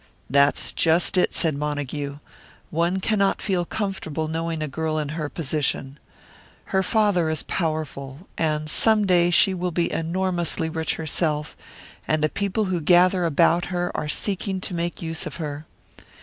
"That's just it," said Montague. "One cannot feel comfortable knowing a girl in her position. Her father is powerful, and some day she will be enormously rich herself; and the people who gather about her are seeking to make use of her.